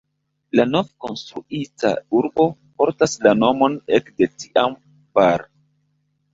La novkonstruita urbo portas la nomon ekde tiam "Bar".